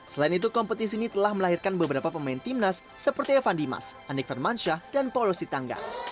selain itu kompetisi ini telah melahirkan beberapa pemain timnas seperti evan dimas anik vermansyah dan paulositangga